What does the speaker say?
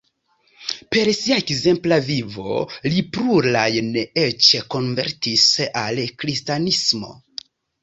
Per sia ekzempla vivo li plurajn eĉ konvertis al kristanismo.